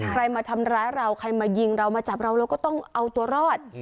ใครมาทำร้ายเราใครมายิงเรามาจับเราเราก็ต้องเอาตัวรอด